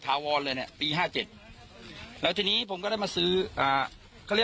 ท่านพรุ่งนี้ไม่แน่ครับ